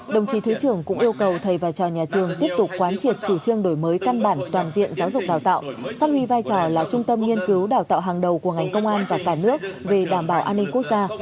đồng chí thứ trưởng cũng yêu cầu thầy và trò nhà trường tiếp tục quán triệt chủ trương đổi mới căn bản toàn diện giáo dục đào tạo phát huy vai trò là trung tâm nghiên cứu đào tạo hàng đầu của ngành công an và cả nước về đảm bảo an ninh quốc gia